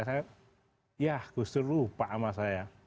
saya yah kusutur lupa sama saya